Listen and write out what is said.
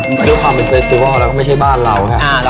ด้วยความเป็นเฟสติวอลแล้วก็ไม่ใช่บ้านเรานะ